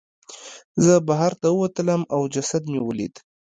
زه بهر ته ووتلم او جسد مې ولید.